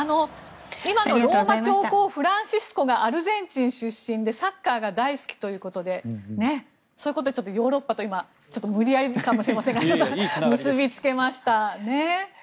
今のローマ教皇フランシスコがアルゼンチン出身でサッカーが大好きということでそういうことでヨーロッパと無理やりかもしれませんが結びつけました。